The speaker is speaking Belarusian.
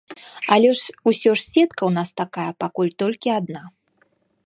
Але ўсё ж сетка ў нас такая пакуль толькі адна.